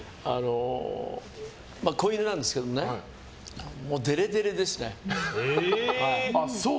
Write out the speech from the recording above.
子犬なんですけどねデレデレですね。